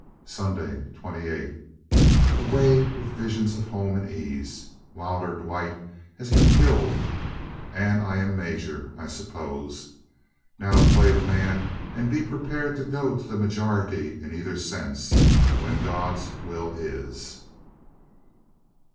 Sunday, 28th. Away with visions of home and ease! Wilder Dwight has been killed, and I am Major, I suppose.... Now to play the man and be prepared to go to the majority in either sense, when God's will is.